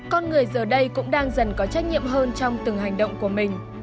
con người giờ đây cũng đang dần có trách nhiệm hơn trong từng hành động của mình